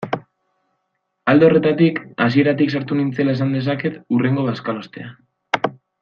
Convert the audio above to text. Alde horretatik, hasieratik sartu nintzela esan dezaket hurrengo bazkalostean.